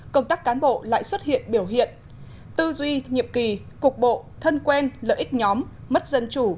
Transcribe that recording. công tác cán bộ lại xuất hiện biểu hiện tư duy nhiệm kỳ cục bộ thân quen lợi ích nhóm mất dân chủ